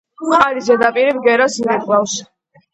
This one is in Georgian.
მყარი ზედაპირი ბგერას ირეკლავს.